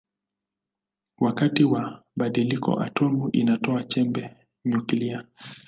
Wakati wa badiliko atomi inatoa chembe nyuklia.